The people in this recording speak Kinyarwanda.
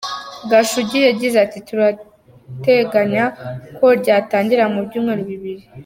Gashugi yagize ati “Turateganya ko ryatangira mu byumweru bibiri.